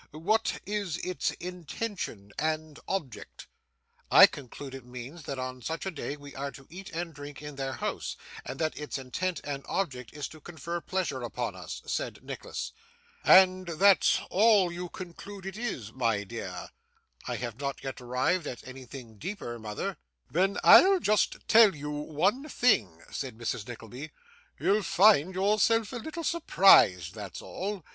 What is its intention and object?' 'I conclude it means, that on such a day we are to eat and drink in their house, and that its intent and object is to confer pleasure upon us,' said Nicholas. 'And that's all you conclude it is, my dear?' 'I have not yet arrived at anything deeper, mother.' 'Then I'll just tell you one thing,' said Mrs. Nickleby, you'll find yourself a little surprised; that's all.